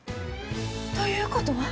ということは？